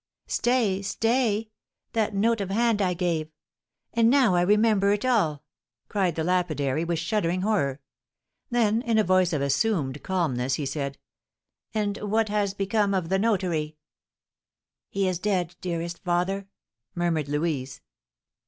"Stay, stay! That note of hand I gave! Ah, now I remember it all!" cried the lapidary, with shuddering horror. Then, in a voice of assumed calmness, he said, "And what has become of the notary?" "He is dead, dearest father," murmured Louise.